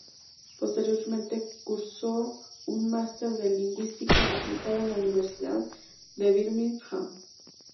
Posteriormente cursó un máster de lingüística aplicada en la Universidad de Birmingham.